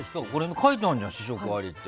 書いてあるじゃん試食ありって。